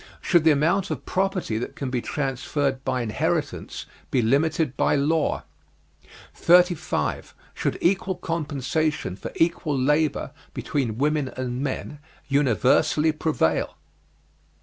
Should the amount of property that can be transferred by inheritance be limited by law? 35. Should equal compensation for equal labor, between women and men, universally prevail?